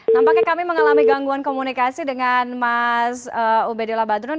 nampaknya kami mengalami gangguan komunikasi dengan mas ubedillah badrun